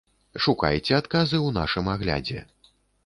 Шукайце адказы ў нашым аглядзе.